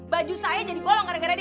baju saya jadi bolong gara gara dia